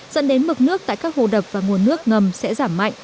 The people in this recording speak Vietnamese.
dẫn đến mực nước tại các hồ đập và nguồn nước ngầm sẽ giảm mạnh